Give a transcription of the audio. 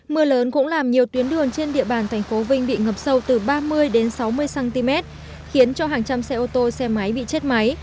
mưa lớn cũng làm nhiều tuyến đường trên địa bàn thành phố vinh bị ngập sâu từ ba mươi đến sáu mươi cm khiến cho hàng trăm xe ô tô xe máy bị chết máy